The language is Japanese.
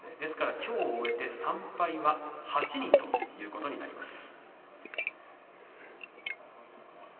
きょう終えて３敗は８人ということになります。